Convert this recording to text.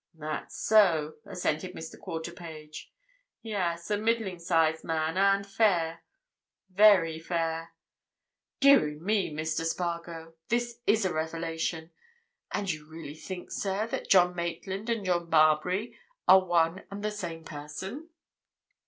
"That's so, sir," assented Mr. Quarterpage. "Yes, a middling sized man, and fair—very fair. Deary me, Mr. Spargo!—this is a revelation. And you really think, sir, that John Maitland and John Marbury are one and the same person?"